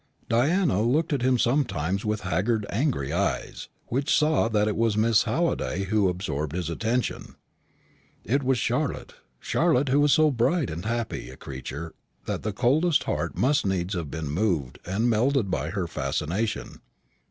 Diana looked at him sometimes with haggard angry eyes, which saw that it was Miss Halliday who absorbed his attention. It was Charlotte Charlotte, who was so bright and happy a creature that the coldest heart must needs have been moved and melted by her fascination.